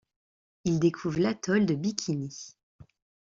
Il découvre l'atoll de Bikini.